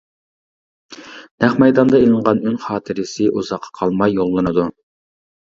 نەق مەيداندا ئېلىنغان ئۈن خاتىرىسى ئۇزاققا قالماي يوللىنىدۇ.